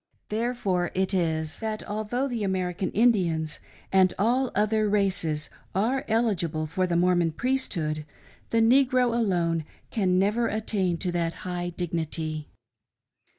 Therefore it is, that although the American Indians and all other races are eligible for the Mormon priesthood, the negro alone can never attain to that high dignity.